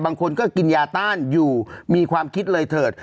บางคนก็กินยาต้านอยู่มีความคิดเลยเถิด